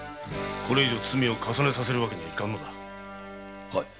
これ以上罪を重ねさせるわけにはいかぬ！